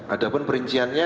ada pun perinciannya